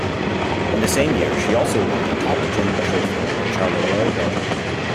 In the same year she also won the Top Gym Trophy in Charleroi, Belgium.